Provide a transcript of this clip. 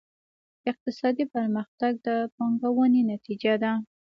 اقتصادي پرمختګ د پانګونې نتیجه ده.